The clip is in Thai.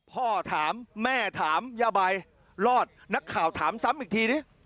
พ่อถามแม่ถามย่าใบรอดนักข่าวถามซ้ำอีกทีดิ